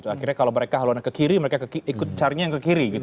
akhirnya kalau mereka halona ke kiri mereka ikut carinya yang ke kiri gitu